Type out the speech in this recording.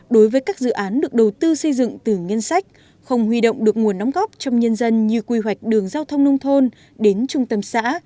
đối với các dự án được đầu tư xây dựng từ ngân sách không huy động được nguồn đóng góp trong nhân dân như quy hoạch đường giao thông nông thôn đến trung tâm xã